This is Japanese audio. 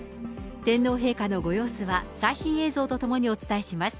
天皇陛下のご様子は、最新映像とともにお伝えします。